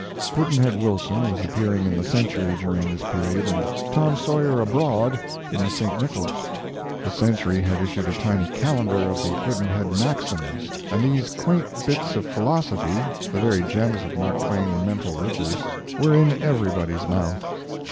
"Pudd'nhead Wilson" was appearing in the Century during this period, and "Tom Sawyer Abroad" in the St. Nicholas. The Century had issued a tiny calendar of the Pudd'nhead maxims, and these quaint bits of philosophy, the very gems of Mark Twain mental riches, were in everybody's mouth.